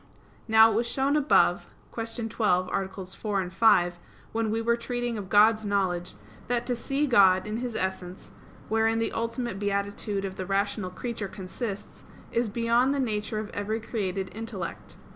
Now it was shown above (Q. 12, AA. 4, 5), when we were treating of God's knowledge, that to see God in His essence, wherein the ultimate beatitude of the rational creature consists, is beyond the nature of every created intellect.